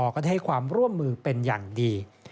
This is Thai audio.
ก็ได้ให้ความร่วมมือเป็นอย่างดี